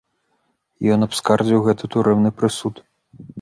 Ён абскардзіў гэты турэмны прысуд.